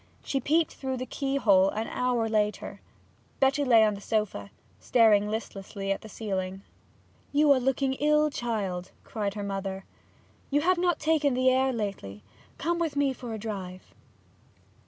She peeped through the keyhole an hour later. Betty lay on the sofa, staring listlessly at the ceiling. 'You are looking ill, child,' cried her mother. 'You've not taken the air lately. Come with me for a drive.'